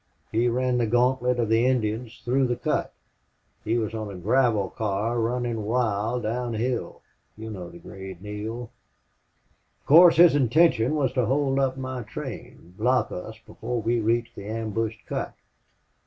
He ran the gantlet of the Indians through that cut.... He was on a gravel car running wild down hill. You know the grade, Neale.... Of course his intention was to hold up my train block us before we reached the ambushed cut.